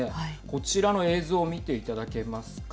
こちらの映像を見ていただけますか。